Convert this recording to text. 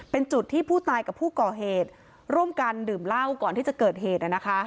เป็นจุดที่ผู้ตายกับผู้ก่อเหตุร่วมกันดื่มเหล้าก่อนที่จะเกิดเหตุ